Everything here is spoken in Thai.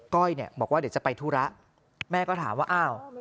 ้อยเนี่ยบอกว่าเดี๋ยวจะไปธุระแม่ก็ถามว่าอ้าว